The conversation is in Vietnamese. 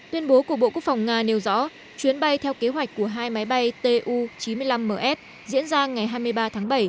tuyên bố của bộ quốc phòng nga nêu rõ chuyến bay theo kế hoạch của hai máy bay tu chín mươi năm ms diễn ra ngày hai mươi ba tháng bảy